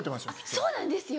そうなんですよ